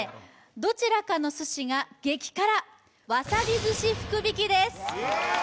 どちらかの寿司が激辛わさび寿司福引きです